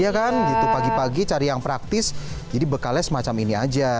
iya kan gitu pagi pagi cari yang praktis jadi bekalnya semacam ini aja